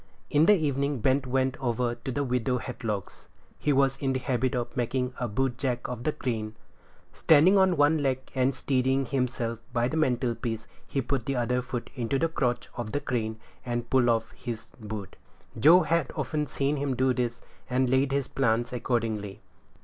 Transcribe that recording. In the evening Ben went over to the widow Hadlock's. He was in the habit of making a bootjack of the crane; standing on one leg, and steadying himself by the mantel piece, he put the other foot into the crotch of the crane, and pulled off his boot. Joe had often seen him do this, and laid his plans accordingly.